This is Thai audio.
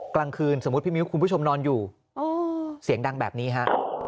กลางคืนสมมุติพี่มิ้วคุณผู้ชมนอนอยู่เสียงดังแบบนี้ฮะ